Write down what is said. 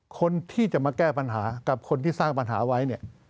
คนที่จะมาแก้ปัญหากับคนที่สร้างปัญหาไว้เนี่ย